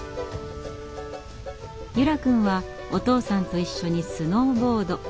柚楽くんはお父さんと一緒にスノーボード。